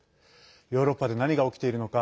ヨーロッパで何が起きているのか。